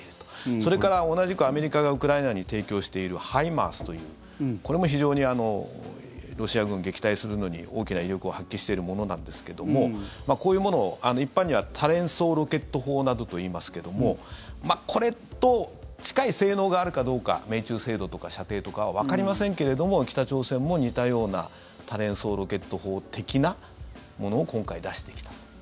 それから、同じくアメリカがウクライナに提供しているＨＩＭＡＲＳというこれも非常にロシア軍を撃退するのに大きな威力を発揮しているものなんですけどもこういうものを一般には多連装ロケット砲などといいますけどもこれと近い性能があるかどうか命中精度とか射程とかはわかりませんけれども北朝鮮も似たような多連装ロケット砲的なものを今回、出してきた。